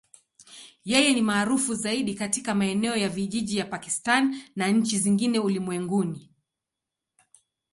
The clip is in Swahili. Yeye ni maarufu zaidi katika maeneo ya vijijini ya Pakistan na nchi zingine ulimwenguni.